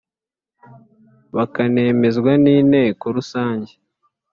bakanemezwa n inteko rusange